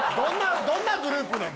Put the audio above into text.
どんなグループ。